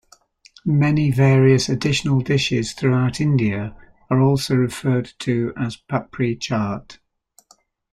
Many various additional dishes throughout India are also referred to as papri chaat.